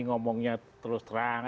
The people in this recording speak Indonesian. ngomongnya terus terang